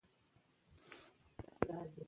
چی په دنیا کی دغه ډول حکومت قایم کړی.